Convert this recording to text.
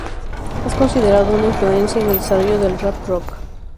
Es considerado una influencia en el desarrollo del rap rock.